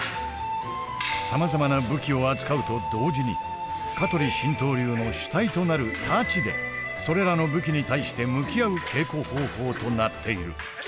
さまざまな武器を扱うと同時に香取神道流の主体となる太刀でそれらの武器に対して向き合う稽古方法となっている。